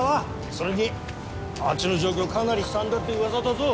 それにあっちの状況かなり悲惨だって噂だぞ。